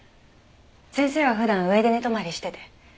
先生は普段上で寝泊まりしてて。